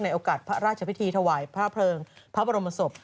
ในโอกาสพระราชวิธีถวายพระเภงภาพรมศพ